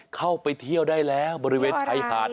เข้าไปเที่ยวได้แล้วบริเวณชายหาด